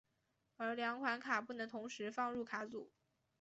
而两款卡不能同时放入卡组。